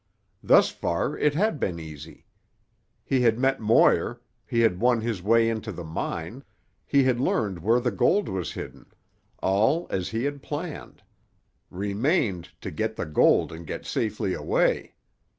Thus far it had been easy. He had met Moir, he had won his way into the mine, he had learned where the gold was hidden, all as he had planned. Remained to get the gold and get safely away.